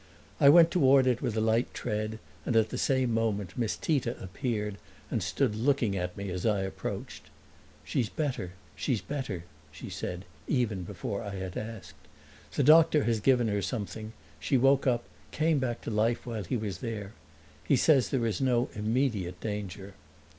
I went toward it with a light tread, and at the same moment Miss Tita appeared and stood looking at me as I approached. "She's better she's better," she said, even before I had asked. "The doctor has given her something; she woke up, came back to life while he was there. He says there is no immediate danger."